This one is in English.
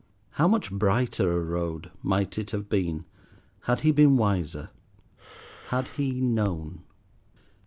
How much brighter a road might it have been, had he been wiser, had he known!